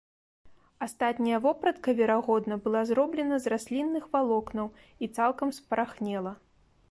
Астатняя вопратка, верагодна, была зроблена з раслінных валокнаў і цалкам спарахнела.